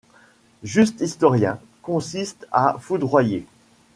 Justes historiens, consiste à foudroyer.